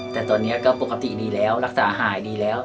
แต่ตอนนี้ก็ปกติดีแล้วรักษาหายดีแล้ว